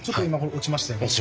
落ちましたね。